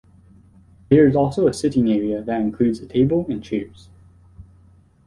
There is also a sitting area that includes a table and chairs.